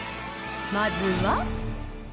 まずは。